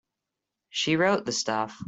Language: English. She wrote the stuff.